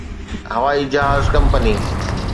هوائي جهاز ڪمپني